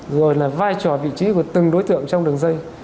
rồi là vai trò vị trí của từng đối tượng trong đường dây